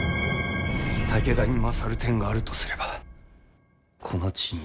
武田に勝る点があるとすればこの地についてじゃ。